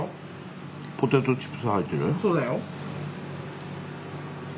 そうだよ。